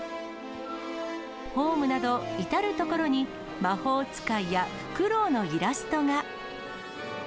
ホームなど至る所に、魔法使いやフクロウのイラストが。